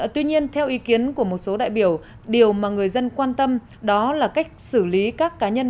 tuy nhiên theo ý kiến của một số đại biểu điều mà người dân quan tâm đó là cách xử lý các cá nhân